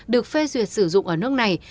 được phê duyệt sử dụng ở nơi này